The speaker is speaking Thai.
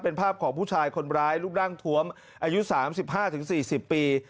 เป็นภาพของผู้ชายคนร้ายลูกร่างถวมอายุสามสิบห้าถึงสี่สิบปี